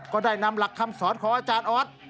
ก็ได้นำหลักคำสอนของอาจารย์ออส